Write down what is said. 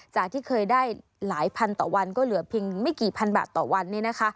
จากที่เคยได้หลายพันต่อวันก็เหลือเพียงไม่กี่พันบาทต่อวัน